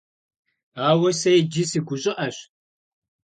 Ауэ сэ иджы сыгущӀыӀэщ.